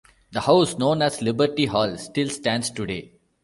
The house, known as "Liberty Hall", still stands today.